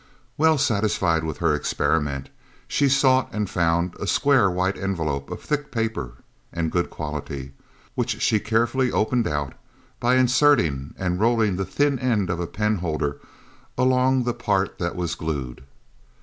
Well satisfied with her experiment, she sought and found a square white envelope of thick paper and good quality, which she carefully opened out, by inserting and rolling the thin end of a penholder along the part that was glued.